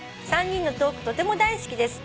３人のトークとても大好きです」